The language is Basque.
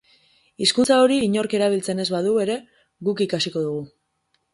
Hizkuntza hori inork erabiltzen ez badu ere guk ikasiko dugu.